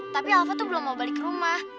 tapi alva tuh belum mau balik rumah